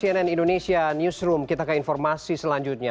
cnn indonesia newsroom kita ke informasi selanjutnya